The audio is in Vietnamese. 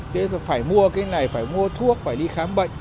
thế rồi phải mua cái này phải mua thuốc phải đi khám bệnh